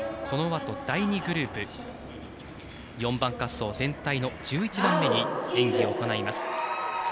このあと第２グループ４番滑走全体の１１番目に演技を行います。